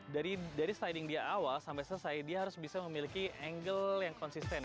dari sliding dia awal sampai selesai dia harus bisa memiliki angle yang konsisten